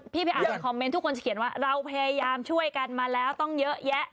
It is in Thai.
พี่เป็นศูนย์มาต้องแบบ